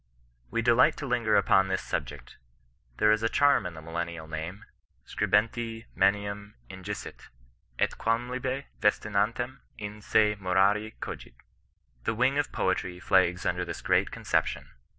'^ We delight to linger upon this subjeet There is a charm in the millennial name, 'Scribentimanuminjicit, et quamlibet festinantem in se morari oogit.' The wing of poetnr flags under this great conception.